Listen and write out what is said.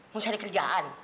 mau cari kerjaan